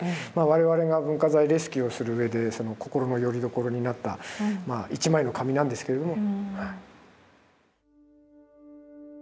我々が文化財レスキューをするうえで心のよりどころになった一枚の紙なんですけれども。